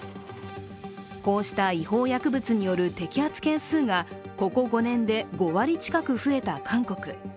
こうした違法薬物による摘発件数がここ５年で５割近く増えた韓国。